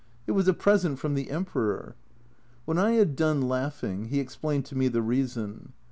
It was a present from the Emperor ! When I had done laughing he explained to me the reason.